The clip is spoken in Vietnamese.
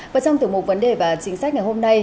và trong tiểu mục vấn đề và chính sách ngày hôm nay